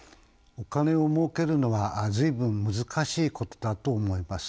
お金を儲けるのは随分難しいことだと思います。